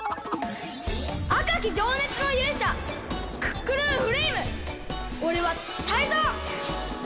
あかきじょうねつのゆうしゃクックルンフレイムおれはタイゾウ！